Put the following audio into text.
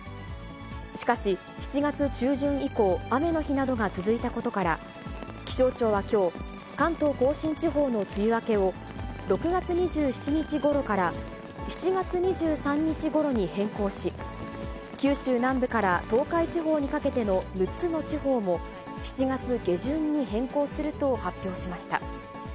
しかし、７月中旬以降、雨の日などが続いたことから、気象庁はきょう、関東甲信地方の梅雨明けを、６月２７日ごろから７月２３日ごろに変更し、九州南部から東海地方にかけての６つの地方も７月下旬に変更すると発表しました。